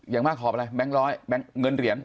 อย่างมากหอบอะไรแบงค์ร้อยแบงค์เงินเหรียญ